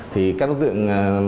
thì các đối tượng